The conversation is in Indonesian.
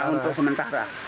iya untuk sementara